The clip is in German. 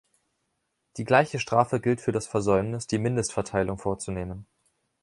Die gleiche Strafe gilt für das Versäumnis, die Mindestverteilung vorzunehmen.